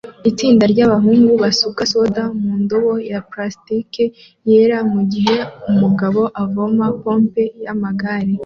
Itsinda ryabahungu basuka soda mu ndobo ya plastike yera mugihe umugabo avoma pompe yamagare